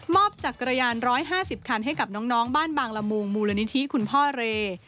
จักรยาน๑๕๐คันให้กับน้องบ้านบางละมุงมูลนิธิคุณพ่อเร